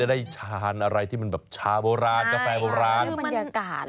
ได้ทานอะไรที่มันแบบชาโบราณกาแฟโบราณคือบรรยากาศ